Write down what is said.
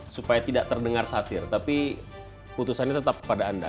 supaya tidak terdengar satir tapi putusannya tetap pada anda